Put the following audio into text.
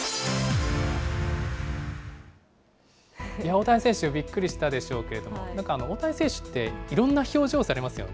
大谷選手、びっくりしたでしょうけれども、なんか大谷選手って、いろんな表情されますよね。